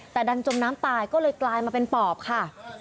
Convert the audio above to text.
แต่ดันจมน้ำตายก็เลยกลายมาเป็นปอบค่ะ